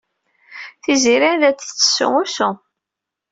Tiziri la d-tettessu usu.